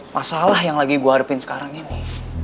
masalah yang lagi gue hadapin sekarang ini